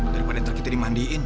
daripada nanti kita dimandiin